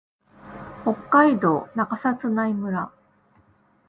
北海道中札内村